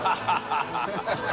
ハハハ